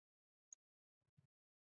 永昌陵是宋太祖赵匡胤的陵墓。